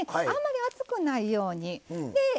あんまり熱くないように。